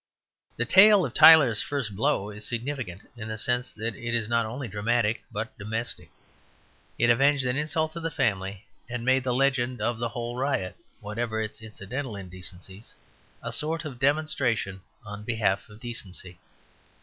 The tale of Tyler's first blow is significant in the sense that it is not only dramatic but domestic. It avenged an insult to the family, and made the legend of the whole riot, whatever its incidental indecencies, a sort of demonstration on behalf of decency.